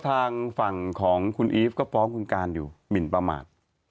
ทางฝั่งของคุณอีฟก็ฟ้องคุณการอยู่หมินประมาท